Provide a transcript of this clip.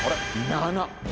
「７」？